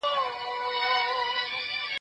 شرمنده ټول وزيران او جنرالان وه